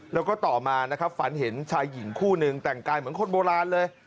แล้วก็ต่อมานะครับฝันเห็นชายหญิงคู่นึงแต่งกายเหมือนคนโบราณเลย